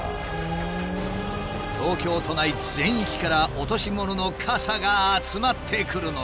東京都内全域から落とし物の傘が集まってくるのだ。